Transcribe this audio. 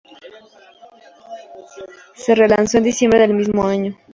Se relanzó en diciembre del mismo año.